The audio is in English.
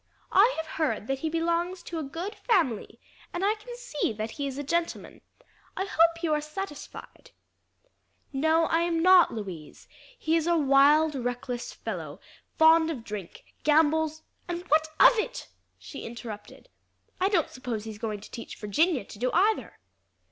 "I have heard that he belongs to a good family, and I can see that he is a gentleman. I hope you are satisfied." "No, I am not, Louise. He is a wild, reckless fellow, fond of drink, gambles " "And what of it?" she interrupted. "I don't suppose he's going to teach Virginia to do either."